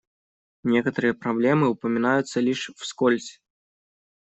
Некоторые проблемы упоминаются лишь вскользь.